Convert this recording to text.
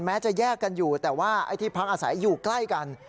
จะแยกกันอยู่แต่ว่าไอ้ที่พักอาศัยอยู่ใกล้กัน